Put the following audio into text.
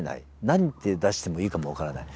何て出していいかも分からない。